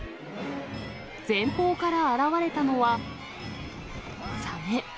前方から現れたのは、サメ。